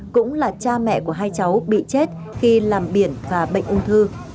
cũng là cha mẹ của hai cháu bị chết khi làm biển và bệnh ung thư